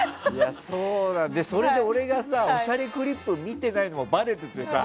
それで、俺がさ「おしゃれクリップ」を見てないのがばれててさ。